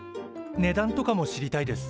値段とかも知りたいです。